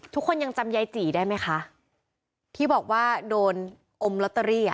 ทุกคนยังจำยายจีได้ไหมคะที่บอกว่าโดนอมลอตเตอรี่อ่ะ